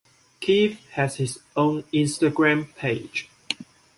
Keith has his own Instagram page.